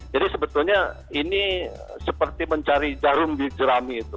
jadi sebetulnya ini seperti mencari jarum di jerami itu